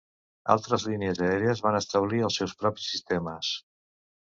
Altres línies aèries van establir els seus propis sistemes.